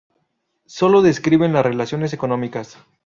Sólo describen las relaciones económicas.